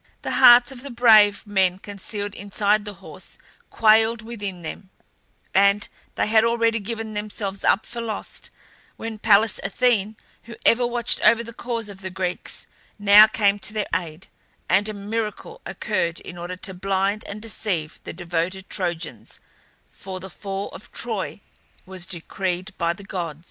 The hearts of the brave men concealed inside the horse quailed within them, and they had already given themselves up for lost, when Pallas Athene, who ever watched over the cause of the Greeks, now came to their aid, and a miracle occurred in order to blind and deceive the devoted Trojans; for the fall of Troy was decreed by the gods.